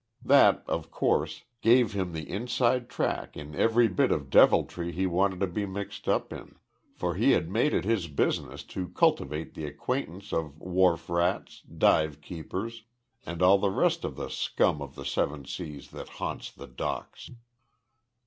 That, of course, gave him the inside track in every bit of deviltry he wanted to be mixed up in, for he had made it his business to cultivate the acquaintance of wharf rats, dive keepers, and all the rest of the scum of the Seven Seas that haunts the docks.